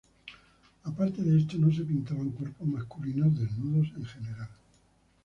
Aparte de esto no se pintaban cuerpos masculinos desnudos en general.